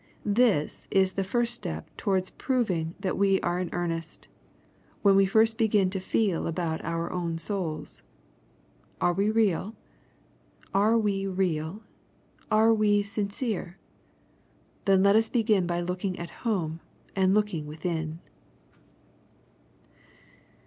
This is the first step towards proving that we are in earnest, when we first begin to feel about our souls. Are we real ? Are we sincere ? Then let us begin by looldng at home, and looking within.